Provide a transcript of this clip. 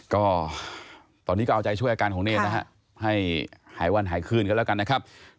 ก็ตอนนี้ก็เอาใจช่วยอาการของเนธนะฮะให้หายวันหายคืนกันแล้วกันนะครับ